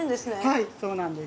はいそうなんです。